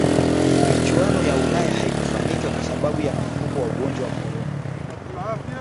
michuano ya ulaya haikufanyika kwa sababu ya mlipuko wa ugonjwa wa corona